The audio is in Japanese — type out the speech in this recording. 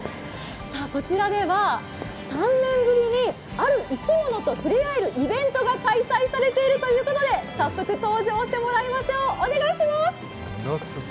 こちらでは３年ぶりに、ある生き物と触れ合えるイベントが開催されているということで早速登場してもらいましょう。